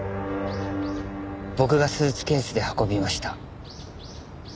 僕がスーツケースで運びました。